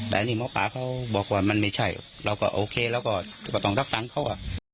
แต่นี่หมอปลาก็บอกว่ามันไม่ใช่เราก็โอเคเราก็ต้องรับตังค์เข้า